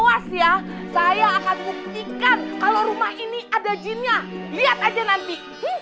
puas ya saya akan buktikan kalau rumah ini ada jinnya lihat aja nanti